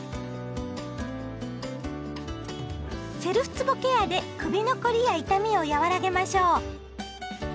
セルフつぼケアで首の凝りや痛みを和らげましょう。